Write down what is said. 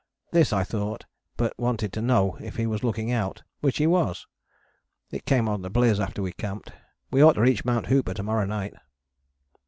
This I thought, but wanted to know if he was looking out, which he was. It came on to bliz after we camped, we ought to reach Mt. Hooper to morrow night.